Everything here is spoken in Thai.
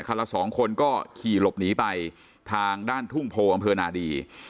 ละสองคนก็ขี่หลบหนีไปทางด้านทุ่งโพอำเภอนาดี